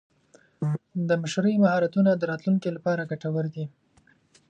د مشرۍ مهارتونه د راتلونکي لپاره ګټور دي.